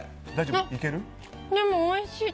でもおいしい！